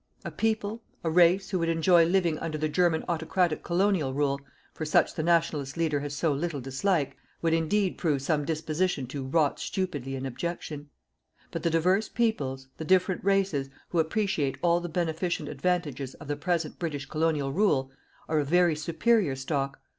A people, a race, who would enjoy living under the German autocratic colonial rule for which the Nationalist leader has so little dislike would indeed prove some disposition to rot stupidly in abjection. But the divers peoples, the different races, who appreciate all the beneficent advantages of the present British colonial rule, are of very superior stock.